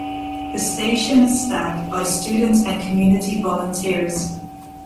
The station is staffed by student and community volunteers.